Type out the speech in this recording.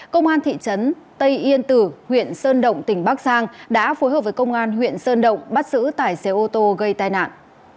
công an thị trấn tây yên tử huyện sơn động tỉnh bắc giang đã phối hợp với công an huyện sơn động bắt giữ tài xế ô tô gây tai nạn